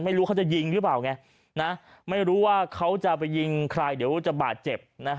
ไม่รู้เขาจะยิงหรือเปล่าไงไม่รู้ว่าเขาจะไปยิงใครเดี๋ยวจะบาดเจ็บ